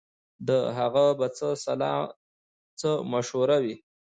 د هغه به څه سلا څه مشوره وي